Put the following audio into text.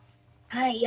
はい。